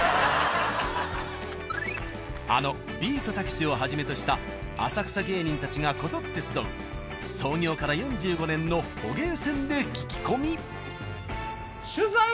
あのビートたけしをはじめとした浅草芸人たちがこぞって集う創業から４５年の「捕鯨船」で聞き込み。